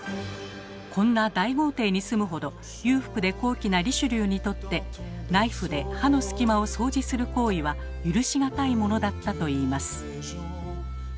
こんな大豪邸に住むほど裕福で高貴なリシュリューにとってナイフで歯のすき間を掃除する行為は許し難いものだったといいます。